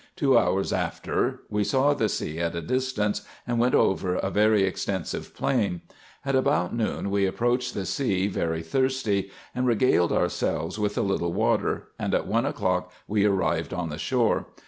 Two hours after, we saw the sea at a distance, and went over a very extensive plain. At about noon we approached the sea, very thirsty, and regaled ourselves with a little water; and at one o'clock we arrived on the shore.